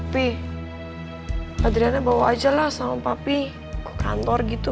pi adriannya bawa aja lah sama papi ke kantor gitu